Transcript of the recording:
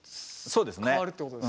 そうですね。